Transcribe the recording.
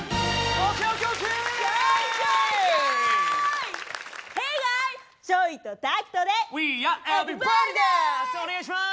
お願いします！